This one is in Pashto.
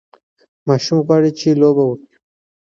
ماشوم غواړي چې لوبه وکړي.